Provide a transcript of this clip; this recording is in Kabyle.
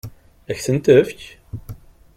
Ad k-tent-tefk?